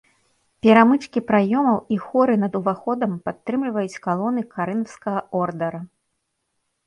Перамычкі праёмаў і хоры над уваходам падтрымліваюць калоны карынфскага ордара.